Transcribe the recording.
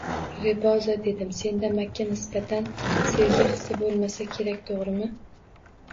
Reboza, dedim, senda Makka nisbatan sevgi hissi bo`lmasa kerak, to`g`rimi